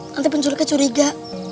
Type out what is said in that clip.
nanti penculiknya curiga